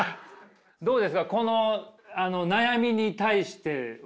どうですかこの悩みに対しては。